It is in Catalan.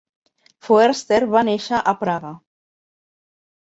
Foerster va néixer a Praga.